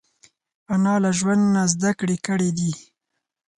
انا له ژوند نه زده کړې کړې دي